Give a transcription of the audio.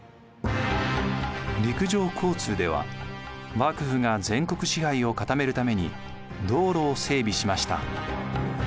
陸上交通では幕府が全国支配を固めるために道路を整備しました。